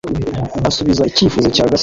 Asubiza ikifuzo cya Gasore